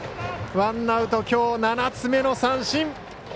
ワンアウト、きょう７つ目の三振。